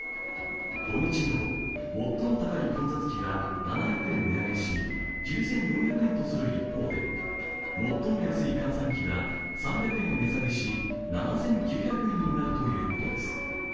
土日など、最も高い混雑期は７００円値上げし９４００円とする一方で、最も安い閑散期は３００円値下げし７９００円になるということです。